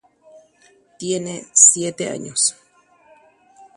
Oguereko pokõi ary.